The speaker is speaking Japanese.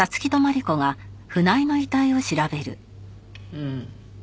うん。